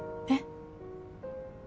えっ？